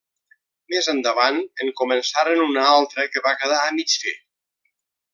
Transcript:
Més endavant en començaren una altra que va quedar a mig fer.